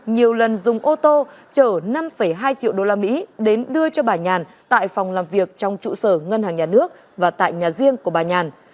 nhiều lần dùng ô tô chở năm hai triệu usd đến đưa cho bà nhàn tại phòng làm việc trong trụ sở ngân hàng nhà nước và tại nhà riêng của bà nhàn